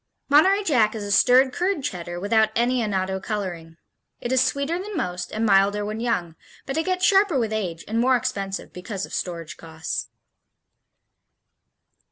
Monterey Jack is a stirred curd Cheddar without any annatto coloring. It is sweeter than most and milder when young, but it gets sharper with age and more expensive because of storage costs.